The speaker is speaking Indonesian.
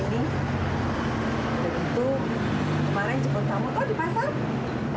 udah gitu kemarin cengkol kamu kok dipasang